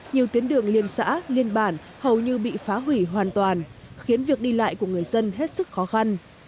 nhiều tuyến đường liên xã liên bản hầu như bị phá hủy hoàn toàn khiến việc đi lại của người dân hết sức khó khăn